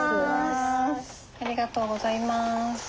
ありがとうございます。